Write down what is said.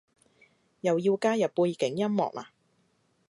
又要加入背景音樂喇？